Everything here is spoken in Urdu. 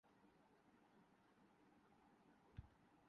امید ہے کہ آپ سب خیریت سے ہوں گے۔